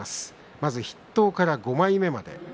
まず筆頭から５枚目までです。